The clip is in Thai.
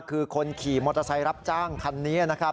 คือคนขี่มอเตอร์ไซค์รับจ้างคันนี้นะครับ